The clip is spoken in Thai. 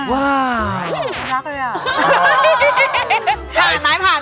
วิ้ยเสียงเธอเมื่อกี้แสดงผมอย่างเนี่ย